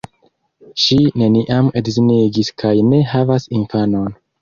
Ŝi neniam edzinigis kaj ne havas infanon.